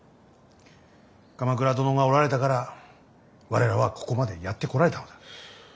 鎌倉殿がおられたから我らはここまでやってこられたのだ。